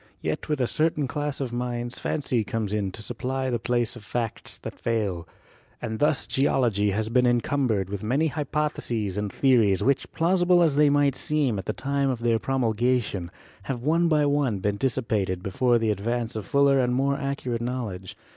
Yet with a certain class of minds fancy comes in to supply the place of facts that fail. And thus Geology has been encumbered with many hypotheses and theories which, plausible as they might seem at the time of their promulgation, have one by one been dissi pated before the advance of fuller and more accurate knowledge.